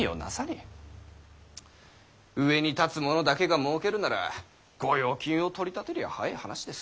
上に立つものだけがもうけるなら御用金を取り立てりゃ早ぇ話です。